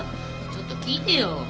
ちょっと聞いてよ。